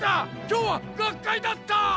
今日は学会だった！